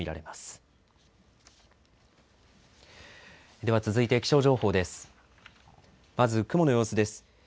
まず雲の様子です。